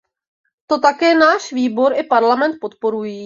To také náš výbor i Parlament podporují.